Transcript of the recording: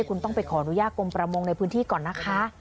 คุณต้องไปขออนุญาตกรมประมงในพื้นที่ก่อนนะคะ